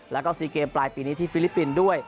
แล้วก็๔เกมปลายปีนี้ที่ฟิลิปปินส์ด้วย